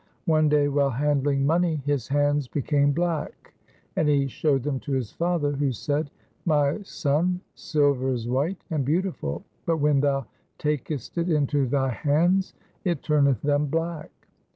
One day, while handling money, his hands became black, and he showed them to his father who said, ' My son, silver is white and beautiful, but when thou takest it into thy hands it turneth them black.